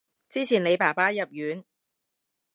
之前你爸爸入院